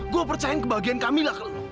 gua percaya kebahagiaan camilla ke lo